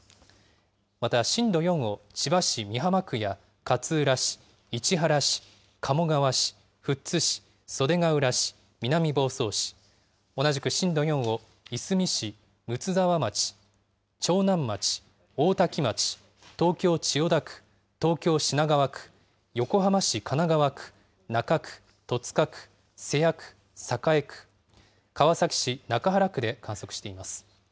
また、震度４を千葉市美浜区や勝浦市、市原市、鴨川市、富津市、袖ヶ浦市、南房総市、同じく震度４をいすみ市、睦沢町、長南町、大多喜町、東京・千代田区、東京・品川区、横浜市神奈川区、中区、戸塚区、瀬谷区、栄区、川崎市中原区で観測しています。